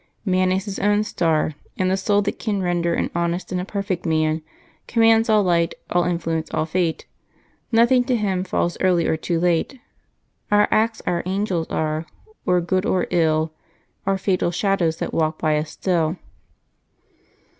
"Man is his own star; and the soul that can Render an honest and a perfect man Commands all light, all influence, all fate. Nothing to him falls early or too late. Our acts our angels are; or good or ill, Our fatal shadows that walk by us still."